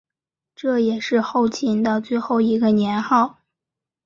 这也是后秦的最后一个年号。